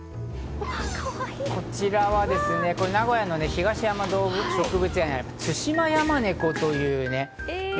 こちらはですね、名古屋の東山動植物園、ツシマヤマネコという猫。